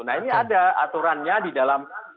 nah ini ada aturannya di dalam